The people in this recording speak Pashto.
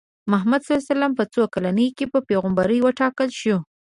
محمد ص په څو کلنۍ کې په پیغمبرۍ وټاکل شو؟